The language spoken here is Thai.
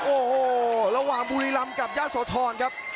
โอ้โหระหว่างบุรีรำกับย่าโสธรครับ